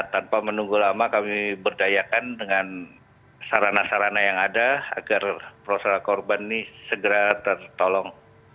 tanpa menunggu lama kami berdayakan dengan sarana sarana yang ada agar prof korban ini segera tertolong